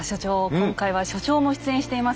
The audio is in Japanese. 今回は所長も出演しています